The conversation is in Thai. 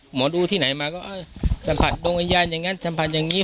หมอดูที่ไหนมาก็เอ้ยสัมผัสโดงอาญาอย่างงั้นสัมผัสอย่างงี้